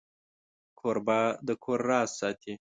کوربه د کور راز ساتي.